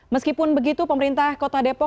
meskipun begitu pemerintah kota depok